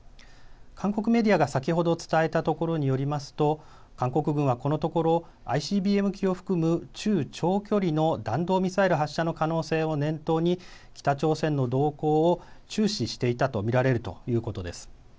韓国メディアが先ほど伝えたところによりますと韓国軍はこのところＩＣＢＭ級を含む中・長距離の弾道ミサイル発射の可能性を念頭に北朝鮮の動向を注視していたと見られるということです。